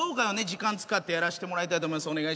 時間使ってやらしてもらいたいと思います。